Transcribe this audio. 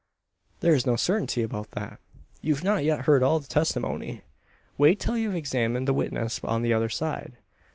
"There is no certainty about that. You've not yet heard all the testimony. Wait till we've examined the witnesses on the other side.